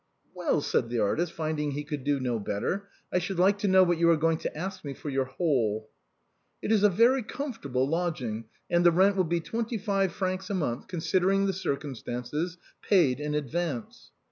" Well," said the artist, finding he could do no better, " I HOW THE BOHEMIAN CLUB WAS FORMED, 15 should like to know what you are going to ask me for your hole." " It is a very comfortable lodging, and the rent will be twenty five francs a month, considering the circumstances, paid in advance."